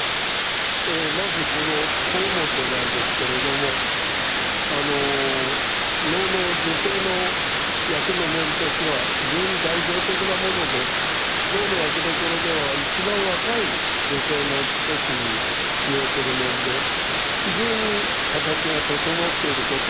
まずこの小面なんですけれども能の女性の役の面としては非常に代表的なもので能の役どころでは一番若い女性の時に使用する面で非常に形が整っていること。